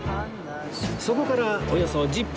そこからおよそ１０分